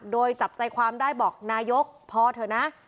โดยจับใจความได้บอกนายกพอเถอะนะ